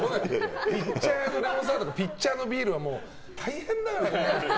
ピッチャーのレモンサワーとかピッチャーのビールは大変だからね。